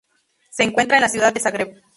Se encuentra en la ciudad de Zagreb.